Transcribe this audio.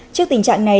trước tình trạng này